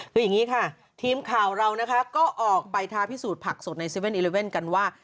คืออย่างนี้ค่ะทีมข่าวเรานะคะก็ออกไปทาพิสูจนผักสดใน๗๑๑กันว่า